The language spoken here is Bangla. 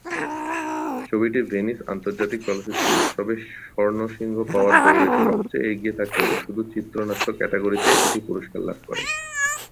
ছবিটি ভেনিস আন্তর্জাতিক চলচ্চিত্র উৎসবে স্বর্ণ সিংহ পাওয়ার দৌড়ে সবচেয়ে এগিয়ে থাকলেও শুধু চিত্রনাট্য ক্যাটাগরিতে এটি পুরস্কার লাভ করে।